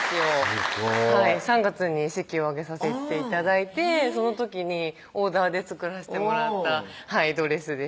すごい３月に式を挙げさせて頂いてその時にオーダーで作らせてもらったドレスです